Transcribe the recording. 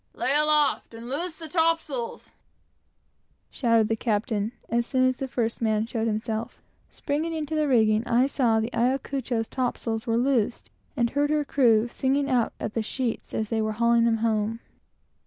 "Lay aloft and loose the topsails!" shouted the captain, as soon as the first man showed himself. Springing into the rigging, I saw that the Ayacucho's topsails were loosed, and heard her crew singing out at the sheets as they were hauling them home.